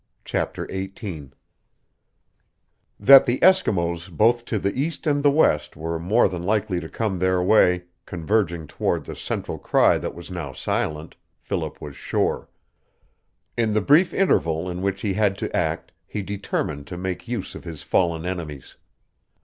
CHAPTER XVIII That the Eskimos both to the east and the west were more than likely to come their way, converging toward the central cry that was now silent, Philip was sure. In the brief interval in which he had to act he determined to make use of his fallen enemies.